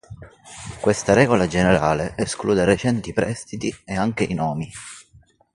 Questa regola generale esclude recenti prestiti ed anche i nomi.